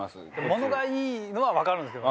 ものがいいのはわかるんですけどね。